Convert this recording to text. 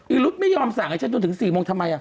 รุ๊ดไม่ยอมสั่งให้ฉันจนถึง๔โมงทำไม